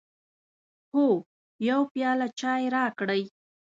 هو، یو پیاله چای راکړئ